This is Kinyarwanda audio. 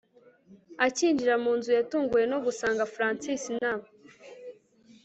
akinjira munzu yatunguwe nogusanga Francis na